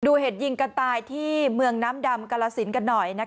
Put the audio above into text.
เหตุยิงกันตายที่เมืองน้ำดำกาลสินกันหน่อย